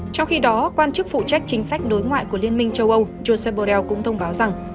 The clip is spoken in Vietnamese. trong khi đó quan chức phụ trách chính sách đối ngoại của liên minh châu âu joseph bell cũng thông báo rằng